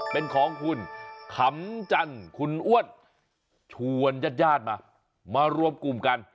เป็นของคุณขำจันทร์คุณอ้วนชวนญาติญาติมามารวมกลุ่มกัน